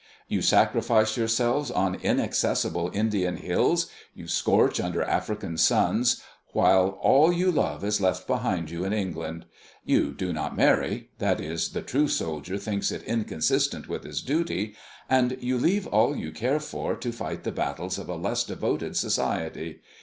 You sacrifice yourselves on inaccessible Indian hills, you scorch under African suns, while all you love is left behind you in England. You do not marry that is, the true soldier thinks it inconsistent with his duty, and you leave all you care for to fight the battles of a less devoted society.